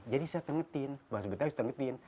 jadi saya terngetin bahasa betawi saya terngetin